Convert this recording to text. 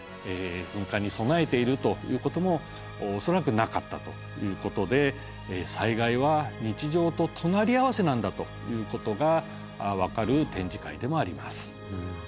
噴火に備えているということも恐らくなかったということで災害は日常と隣り合わせなんだということが分かる展示会でもあります。